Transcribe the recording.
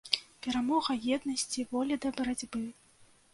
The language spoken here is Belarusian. Перамога еднасці, волі да барацьбы.